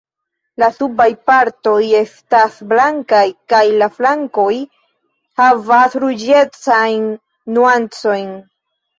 La subaj partoj estas blankaj kaj la flankoj havas ruĝecajn nuancojn.